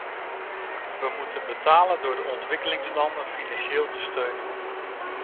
We moeten betalen door de ontwikkelingslanden financieel te steunen.